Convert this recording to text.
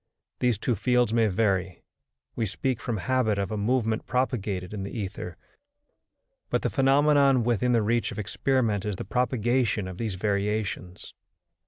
These two fields may vary; we speak from habit of a movement propagated in the ether, but the phenomenon within the reach of experiment is the propagation of these variations.